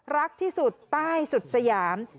รักที่สุดใต้สุดสยาม